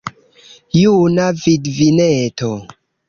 Juna vidvineto!